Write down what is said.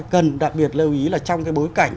cần đặc biệt lưu ý là trong cái bối cảnh